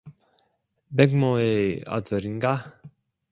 백 모의 아들인가?